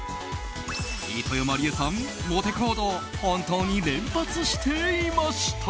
飯豊まりえさん、モテ行動本当に連発していました。